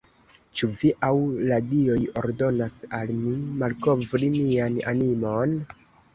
Ĉu vi aŭ la dioj ordonas al mi malkovri mian animon?